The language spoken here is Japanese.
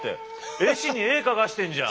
絵師に絵描かせてんじゃん！